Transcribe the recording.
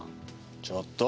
ちょっと。